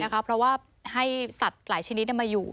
เพราะว่าให้สัตว์หลายชนิดมาอยู่